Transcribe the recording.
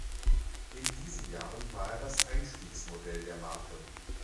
In diesen Jahren war er das Einstiegsmodell der Marke.